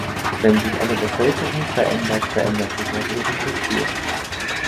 Wenn sich eine Bevölkerung verändert, verändert sich auch ihre Kultur.